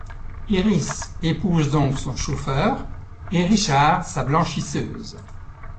Iris épouse donc son chauffeur et Richard sa blanchisseuse.